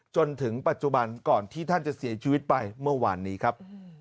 จนถึงปัจจุบันก่อนที่ท่านจะเสียชีวิตไปเมื่อวานนี้ครับ